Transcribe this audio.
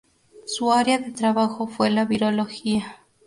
Su área de trabajo fue la virología.